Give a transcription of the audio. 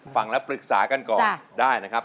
ฟังแล้วปรึกษากันก่อนได้นะครับ